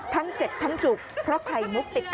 ทั้งเจ็บทั้งจุกเพราะไข่มุกติด